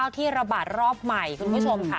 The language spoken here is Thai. ที่ระบาดรอบใหม่คุณผู้ชมค่ะ